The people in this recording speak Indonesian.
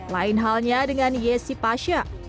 lain halnya dengan yesi pasha